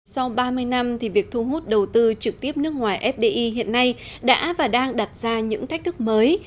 sau ba mươi năm việc thu hút đầu tư trực tiếp nước ngoài fdi hiện nay đã và đang đặt ra những thách thức mới